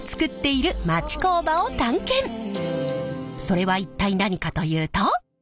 それは一体何かというと。